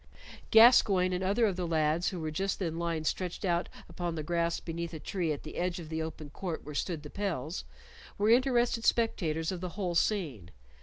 Gascoyne and other of the lads who were just then lying stretched out upon the grass beneath, a tree at the edge of the open court where stood the pels, were interested spectators of the whole scene.